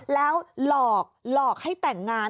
แล้วหลอกให้แต่งงาน